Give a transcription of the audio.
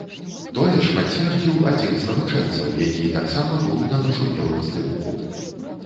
Тое ж пацвердзіў адзін з навучэнцаў, які таксама быў на нашумелым здымку.